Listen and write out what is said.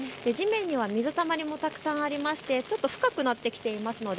地面には水たまりもたくさんあって深くなってきています。